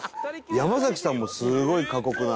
「山崎さんもすごい過酷な」